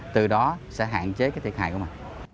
từ đó sẽ hạn chế thiệt hại của mình